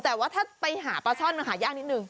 แต่ว่าถ้าไปหาปลาช่อนมันหายากนิดนึง